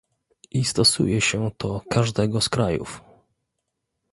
I stosuje się to każdego z krajów